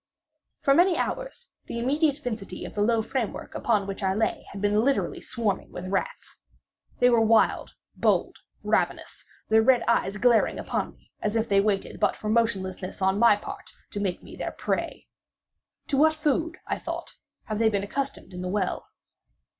For many hours the immediate vicinity of the low framework upon which I lay had been literally swarming with rats. They were wild, bold, ravenous—their red eyes glaring upon me as if they waited but for motionlessness on my part to make me their prey. "To what food," I thought, "have they been accustomed in the well?"